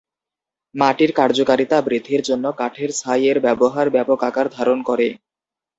মাটির কার্যকারিতা বৃদ্ধির জন্য কাঠের ছাই-এর ব্যবহার ব্যাপক আকার ধারণ করে।